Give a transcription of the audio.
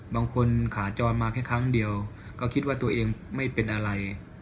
บางคนขาจรมาแค่ครั้งเดียวก็คิดว่าตัวเองไม่เป็นอะไร